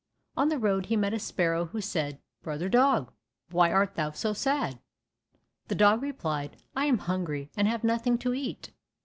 On the road he met a sparrow who said, "Brother dog, why art thou so sad?" The dog replied, "I am hungry, and have nothing to eat."